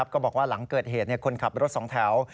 ก็บอกว่าหลังเกิดเหตุคนขับรถสองแถว